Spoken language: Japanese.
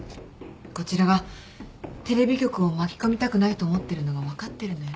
こちらがテレビ局を巻き込みたくないと思ってるのが分かってるのよね。